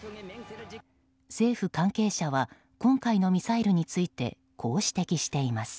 政府関係者は今回のミサイルについてこう指摘しています。